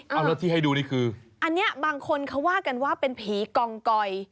เอาแล้วที่ให้ดูนี่คืออันนี้บางคนเขาว่ากันว่าเป็นผีกองกอย